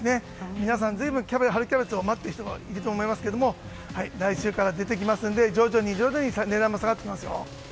皆さん、随分春キャベツを待っている人もいると思いますけれども来週から出てきますので徐々に徐々に値段も下がっていきますよ。